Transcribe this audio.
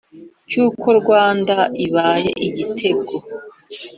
cy'uko rwanda ibaye igitego.